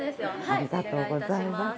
ありがとうございます。